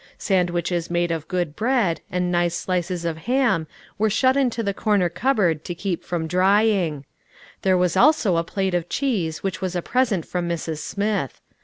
Sand wiches made of good bread, and nice slices of ham, were shut into the corner cupboard to keep from drying; there was also a plate of cheese which was a present from Mrs. Smith.